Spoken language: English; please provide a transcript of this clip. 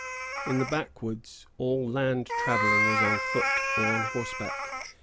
In the backwoods, all land travelling was on foot, or on horseback.